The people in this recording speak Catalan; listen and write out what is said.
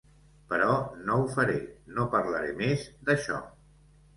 Però no ho faré, no parlaré més d’això.